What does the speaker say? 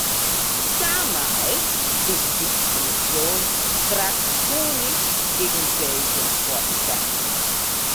Damals ist die Kommission drakonisch gegen Belgien vorgegangen.